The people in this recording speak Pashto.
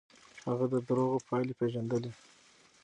هغه د دروغو پايلې پېژندلې.